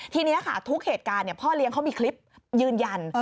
ทีนี้ค่ะทุกเหตุการณ์พ่อเลี้ยงเขามีคลิปยืนยัน